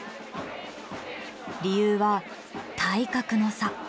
理由は体格の差。